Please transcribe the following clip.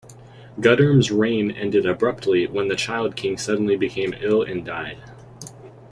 Guttorm's reign ended abruptly when the child king suddenly became ill and died.